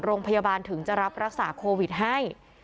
โรงพยาบาลถึงจะรับรักษาโควิดให้